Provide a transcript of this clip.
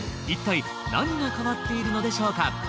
一体何が変わっているのでしょうか？